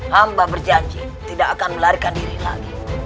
hamba berjanji tidak akan melarikan diri lagi